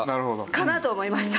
かなと思いました。